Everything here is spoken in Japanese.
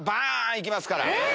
行きますから。